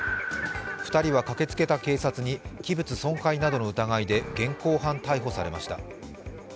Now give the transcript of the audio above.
２人は駆けつけた警察に器物損壊などの疑いで現行犯逮捕されました。